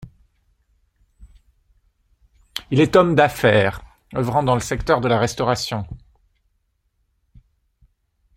Il est homme d'affaires œuvrant dans le secteur de la restauration.